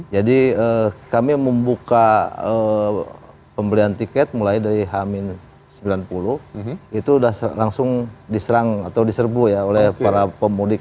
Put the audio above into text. jadi kami membuka pembelian tiket mulai dari h sembilan puluh itu sudah langsung diserang atau diserbu oleh para pemudik